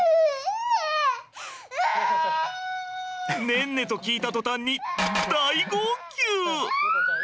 ねんねと聞いた途端に大号泣。